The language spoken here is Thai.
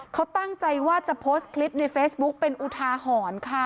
เขาตั้งใจว่าจะโพสต์คลิปในเฟซบุ๊คเป็นอุทาหรณ์ค่ะ